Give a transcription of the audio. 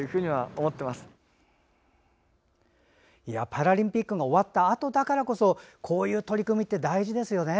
パラリンピックが終わったあとだからこそこういう取り組みって大事ですよね。